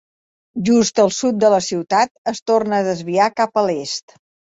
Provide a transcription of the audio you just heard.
Just al sud de la ciutat es torna a desviar cap a l'est.